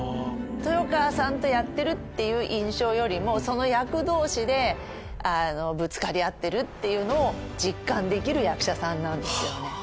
豊川さんとやってるっていう印象よりもその役同士でぶつかり合ってるっていうのを実感できる役者さんなんですよね。